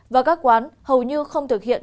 và các quán hầu như không thực hiện